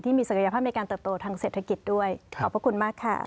มีศักยภาพในการเติบโตทางเศรษฐกิจด้วยขอบพระคุณมากค่ะ